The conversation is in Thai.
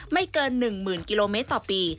ไม่เกิน๑๐๐๐กิโลเมตรต่อปี